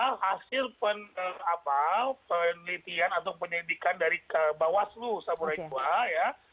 hasil penelitian atau penyelidikan dari bawaslu saburai jua